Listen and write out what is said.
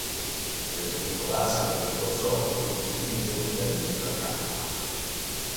Per svincolarsi dal percorso ottico, si utilizza l'unità di misura k.